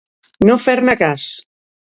No fer-ne cas.